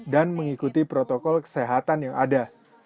dan mengikuti protokol kesehatan yang ada